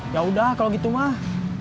yaudah kalau gitu mah